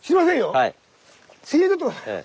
はい。